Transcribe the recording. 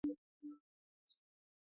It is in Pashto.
هري ليکني ته متن وايي.